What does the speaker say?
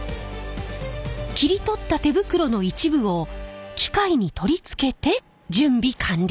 切り取った手袋の一部を機械に取り付けて準備完了。